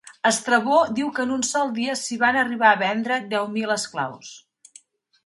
Estrabó diu que en un sol dia s'hi van arribar a vendre deu mil esclaus.